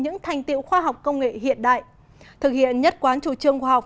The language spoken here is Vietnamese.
những thành tiệu khoa học công nghệ hiện đại thực hiện nhất quán chủ trương khoa học